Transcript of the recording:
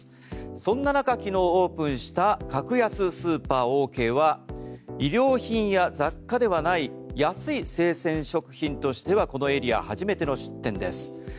そんな中昨日オープンした格安スーパー、オーケーは衣料品や雑貨ではない安い生鮮食品としてはこのエリア初めての出店です。